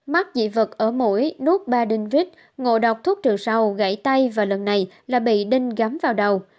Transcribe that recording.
mắt dị vật ở mũi nút ba đinh rít ngộ độc thuốc trừ sầu gãy tay và lần này là bị đinh gắm vào đầu